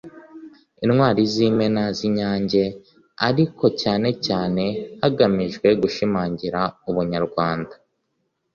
intwari z'imena z'i nyange ariko cyane cyane hagamijwe gushimangira ubunyarwanda